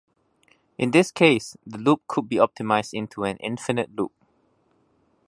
In this case, the loop could be optimized into an infinite loop.